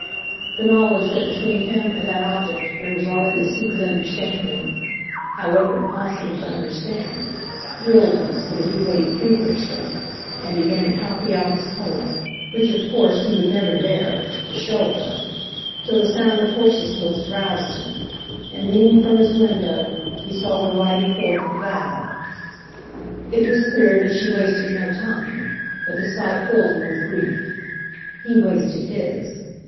The knowledge that between him and that object there was already a secret understanding (however impossible to understand) thrilled him so that he waited feverishly, and began to copy out his poem—which of course he would never dare to—show her—till the sound of horses' hoofs roused him, and, leaning from his window, he saw her riding forth with Val. It was clear that she wasted no time, but the sight filled him with grief. He wasted his.